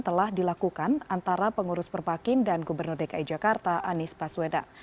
telah dilakukan antara pengurus perbakin dan gubernur dki jakarta anies baswedan